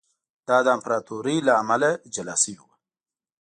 دا د امپراتورۍ له امله له جلا شوی و